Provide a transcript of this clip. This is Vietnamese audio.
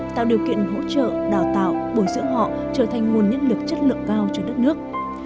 tạo điều kiện hỗ trợ đào tạo bồi dưỡng họ trở thành nguồn nhân lực chất lượng cao cho đất nước